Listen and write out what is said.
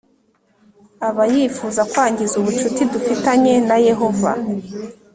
aba yifuza kwangiza ubucuti dufitanye na yehova